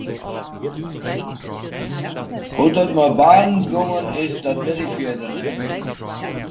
Hoe't it mei Barend gongen is dat wit ik fierder net.